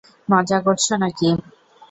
মজা করছো নাকি!